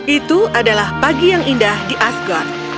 itu adalah pagi yang indah di asgon